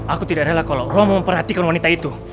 aku tidak rela kalau roh memperhatikan wanita itu